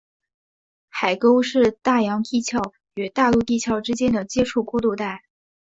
海沟是大洋地壳与大陆地壳之间的接触过渡带。